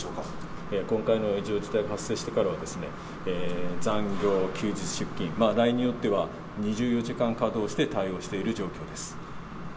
今回の異常事態が発生してからは、残業、休日出勤、ラインによっては２４時間稼働して対応している状況です。